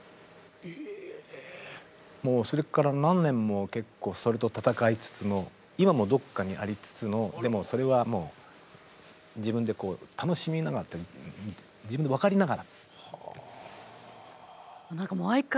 もうそれから何年も結構それと闘いつつの今もどっかにありつつのでもそれはもう自分で楽しみながら自分で分かりながら。